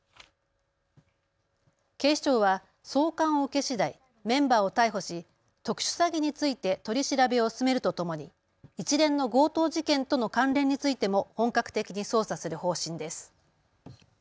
警視庁は送還を受けしだいメンバーを逮捕し特殊詐欺について取り調べを進めるとともに一連の強盗事件との関連についても本格的に捜査する方針です。